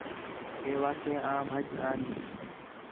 ہے واسطے آں بَھج ای ہیں